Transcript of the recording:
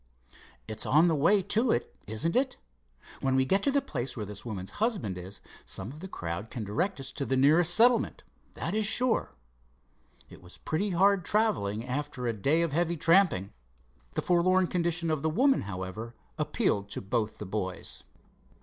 "It's on the way to it, isn't it? When we get to the place where this woman's husband is, some of the crowd can direct us to the nearest settlement, that is sure." It was pretty hard traveling, after a day of heavy tramping. The forlorn condition of the woman, however, appealed to both the boys.